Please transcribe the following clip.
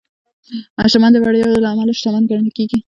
شتمن د وړتیاوو له امله شتمن ګڼل کېږي.